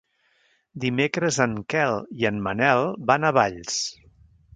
Dimecres en Quel i en Manel van a Valls.